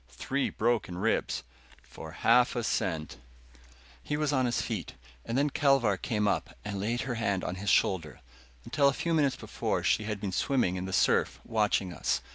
Three broken ribs!" "For half a cent "He was on his feet, and then Kelvar came up and laid her hand on his shoulder. Until a few minutes before she had been swimming in the surf, watching us.